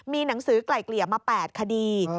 มีหนังสือไกล่เกลี่ยมา๘คดี